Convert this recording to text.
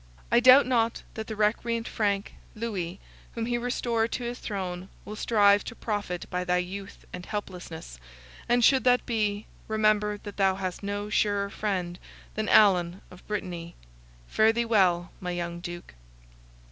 I doubt not that the recreant Frank, Louis, whom he restored to his throne, will strive to profit by thy youth and helplessness, and should that be, remember that thou hast no surer friend than Alan of Brittany. Fare thee well, my young Duke."